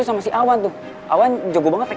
nanti gue mau ngajarin